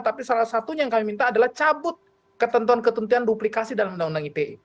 tapi salah satunya yang kami minta adalah cabut ketentuan ketentuan duplikasi dalam undang undang ite